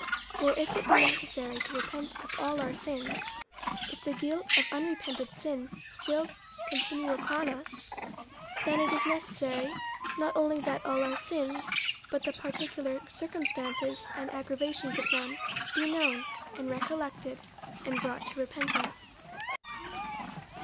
For if it be necessary to repent of all our sins ; if the guilt of unrepented sins still continue upon us, then it is ne cessary not only that our sins, but the particular cir cumstances and aggravations of them, be known, and recollected, and brought to repentance.